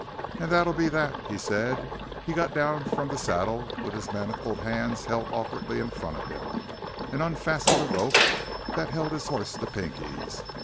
"And that'll be that," he said. He got down from the saddle with his manacles hands held awkwardly in front of him and unfastened the rope that held his horse to Pinky's.